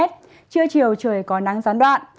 trưa chiều trời có nắng gián đoạn